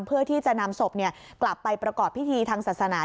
เพื่อที่จะนำศพกลับไปประกอบพิธีทางศาสนา